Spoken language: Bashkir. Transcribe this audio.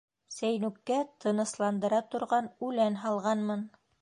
Сәйнүккә тынысландыра торған үлән һалғанмын...